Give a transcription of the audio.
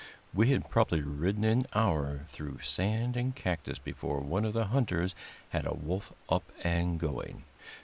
We had probably ridden an hour through sand and cactus before one of the hunters had a wolf up and going.